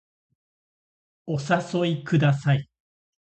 お誘いください